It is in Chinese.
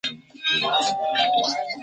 请我去百元商店买